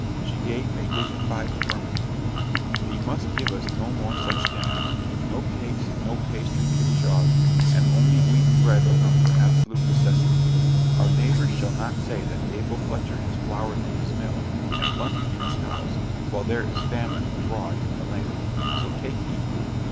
She gave a dignified affirmative. "Thee must give us no more such dinners. No cakes, no pastry kickshaws, and only wheaten bread enough for absolute necessity. Our neighbours shall not say that Abel Fletcher has flour in his mill, and plenty in his house, while there is famine abroad in the land. So take heed."